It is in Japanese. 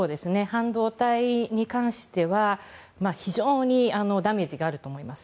半導体に関しては非常にダメージがあると思います。